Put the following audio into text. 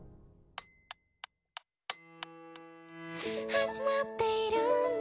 「始まっているんだ